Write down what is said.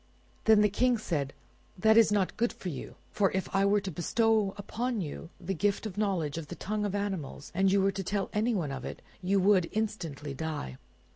Then the King said, "That is not good for you; for if I were to bestow upon you the gift of the knowledge of the tongue of animals, and you were to tell anyone of it, you would instantly die.